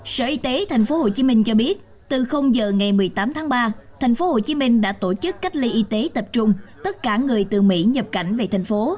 sở y tế tp hcm cho biết từ giờ ngày một mươi tám tháng ba tp hcm đã tổ chức cách ly y tế tập trung tất cả người từ mỹ nhập cảnh về thành phố